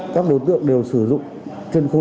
các đối tượng đều sử dụng